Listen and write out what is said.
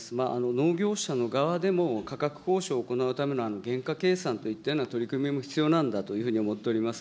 農業者の側でも価格交渉を行うための原価計算といったような取り組みも必要なんだというふうに思っております。